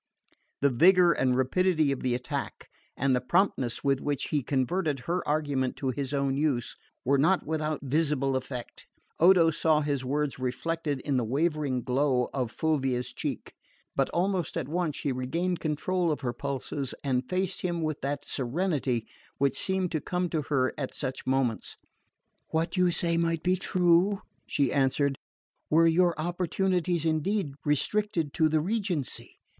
The vigour and rapidity of the attack, and the promptness with which he converted her argument to his own use, were not without visible effect. Odo saw his words reflected in the wavering glow of Fulvia's cheek; but almost at once she regained control of her pulses and faced him with that serenity which seemed to come to her at such moments. "What you say might be true," she answered, "were your opportunities indeed restricted to the regency.